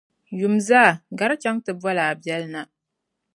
Yumzaa, gari chaŋ ti boli a biεli na.